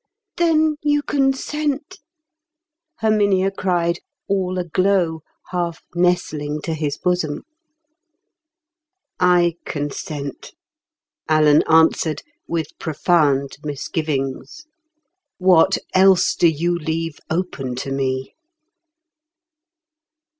"Then you consent?" Herminia cried, all aglow, half nestling to his bosom. "I consent," Alan answered, with profound misgivings. "What else do you leave open to me?"